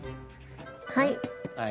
はい。